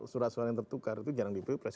surat surat yang tertukar itu jarang di prepress